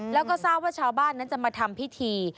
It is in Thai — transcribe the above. แล้วก็ทราบว่าชาวบ้านนั้นจะมาทำพิธี